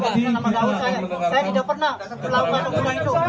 saya tidak pernah melakukan semua itu